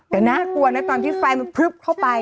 แต่น่ากลัวนะตอนที่ไฟมันพลึบเข้าไป